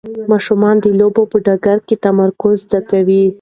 ماشومان د لوبو په ډګر کې تمرکز زده کوي.